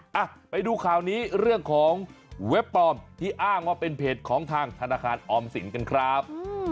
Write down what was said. อ่ะไปดูข่าวนี้เรื่องของเว็บปลอมที่อ้างว่าเป็นเพจของทางธนาคารออมสินกันครับ